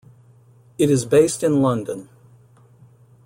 It is based in London.